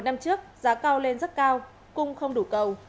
năm trước giá cao lên rất cao cung không đủ cầu